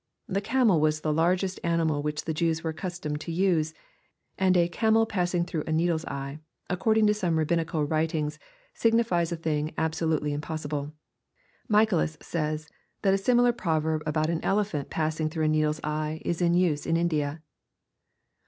The camel was the largest animal which the Jews were accustomed to use, and a " camel passing through a needle's eye," according to some rabbinical writ ngs, signified a thing absoiutelv impossible. Michaelis says, that a similar proverb about an elepnant passing through a needle's eye is in use in [ndia.